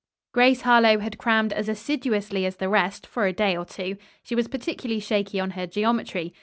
Grace Harlowe had crammed as assiduously as the rest, for a day or two. She was particularly shaky on her geometry.